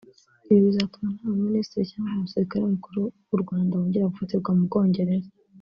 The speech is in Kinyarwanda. Ibi bizatuma nta mu Minisitiri cyangwa umusirikare mukuru w’u Rwanda wongera gufatirwa mu Bwongereza